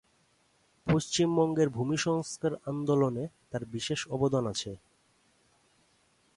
পশ্চিমবঙ্গের ভূমি সংস্কার আন্দোলনে তাঁর বিশেষ অবদান আছে।